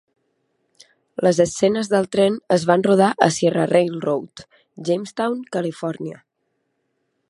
Les escenes del tren es van rodar a Sierra Railroad, Jamestown, Califòrnia.